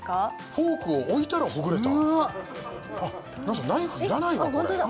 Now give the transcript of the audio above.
フォークを置いたらほぐれたあっナイフいらないわ